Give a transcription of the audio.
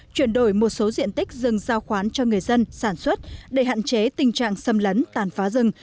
chuyển đổi một số diện tích rừng giao khoán cho người dân sản xuất để hạn chế tình trạng xâm lấn tàn phá rừng